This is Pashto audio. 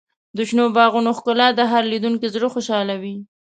د شنو باغونو ښکلا د هر لیدونکي زړه خوشحالوي.